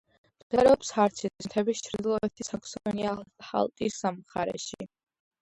მდებარეობს ჰარცის მთების ჩრდილოეთით, საქსონია-ანჰალტის მხარეში.